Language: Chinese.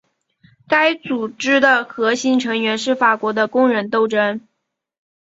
该组织的核心成员是法国的工人斗争。